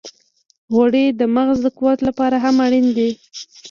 غوړې د مغز د قوت لپاره هم اړینې دي.